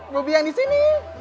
bobi yang disini